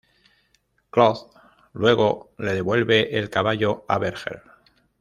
Claude luego le devuelve el caballo a Berger.